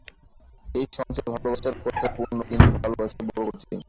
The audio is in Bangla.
এই সংসার ভালবাসার কথায় পূর্ণ, কিন্তু ভালবাসা বড় কঠিন।